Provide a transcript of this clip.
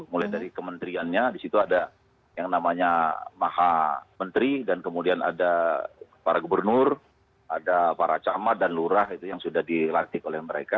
mulai dari kementeriannya di situ ada yang namanya maha menteri dan kemudian ada para gubernur ada para camat dan lurah itu yang sudah dilantik oleh mereka